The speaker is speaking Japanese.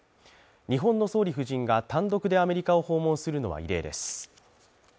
日本の総理夫人が単独でアメリカを訪問するのは異例です。